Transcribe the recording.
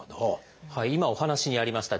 今お話にありました